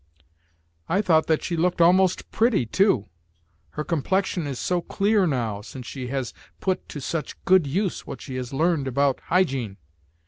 "I thought that she looked almost pretty, too. Her complexion is so clear now, since she has put to such good use what she has learned about hygiene.